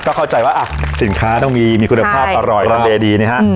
เข้าใจว่าสินค้าต้องมีมีคุณภาพอร่อยรันเลดีนะฮะ